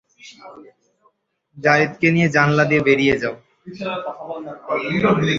যারীদকে নিয়ে জানালা দিয়ে বেরিয়ে যাও।